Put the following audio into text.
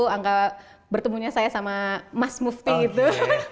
angka bertemunya saya sama mas move team gitu